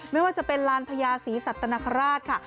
ไม่ว่าจะเป็นลานพญาศรีสัตนคราชค่ะ